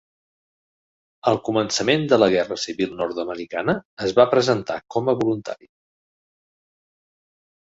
Al començament de la guerra civil nord-americana es va presentar com a voluntari.